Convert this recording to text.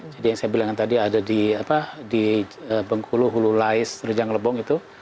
jadi yang saya bilang tadi ada di bengkulu hulu lais rejang lebong itu